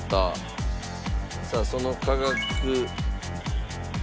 さあその化学。